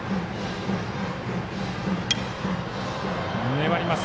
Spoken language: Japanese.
粘ります。